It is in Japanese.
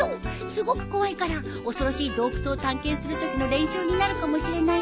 すごく怖いから恐ろしい洞窟を探検するときの練習になるかもしれないよ。